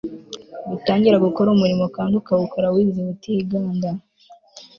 gutangira gukora umurimo kandi ukawukora wizihiwe, utiganda